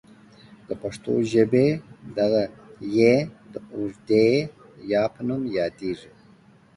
د پښتو ژبې دغه ې د اوږدې یا په نوم یادیږي.